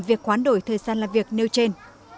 việc hoán đổi thời gian làm việc nêu trên